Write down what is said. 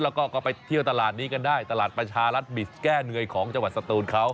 แล้วก็ไปเที่ยวตลาดนี้กันได้ตลาดประชารัฐบิสแก้เหนื่อยของจังหวัดสตูนเขา